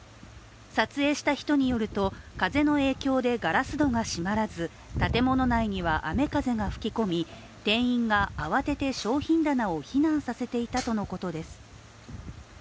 撮影した人によると、風の影響でガラス戸が閉まらず建物内には雨風が吹き込み、店員が慌てて商品棚を避難させていたとのことです。